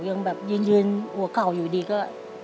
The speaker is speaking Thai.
ยิงยืนั่วกล่าวอยู่ดีก็